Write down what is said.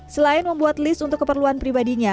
selain membuat list untuk keperluan pribadinya